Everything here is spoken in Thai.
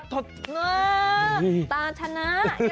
ตาชนะ